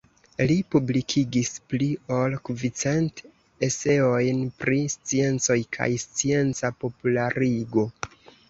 Li publikigis pli ol kvicent eseojn pri sciencoj kaj scienca popularigo.